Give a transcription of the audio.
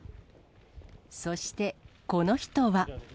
そしてこの人は。